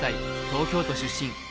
東京都出身。